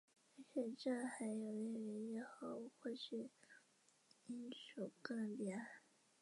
而且这还有利于日后获取英属哥伦比亚。